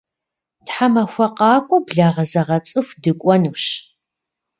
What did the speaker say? Тхьэмахуэ къакӏуэ благъэзэгъэцӏыху дыкӏуэнущ.